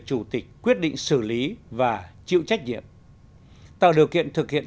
chủ tịch quyết định xử lý và chịu trách nhiệm tạo điều kiện thực hiện